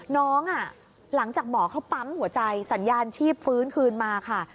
หลังจากหมอเขาปั๊มหัวใจสัญญาณชีพฟื้นคืนมาค่ะ